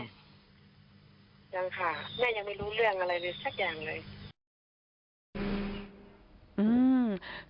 ยังค่ะแม่ยังไม่รู้เรื่องอะไรเลยสักอย่างเลย